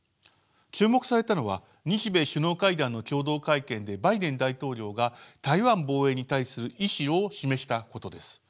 注目されたのは日米首脳会談の共同会見でバイデン大統領が台湾防衛に対する意思を示したことです。